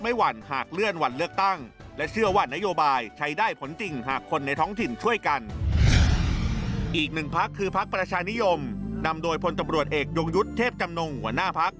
อีกหนึ่งพักคือพักประชานิยมนำโดยพลตำรวจเอกยงยุทธ์เทพจำนงหัวหน้าพัก